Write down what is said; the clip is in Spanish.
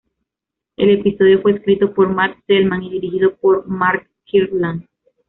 El episodio fue escrito por Matt Selman y dirigido por Mark Kirkland.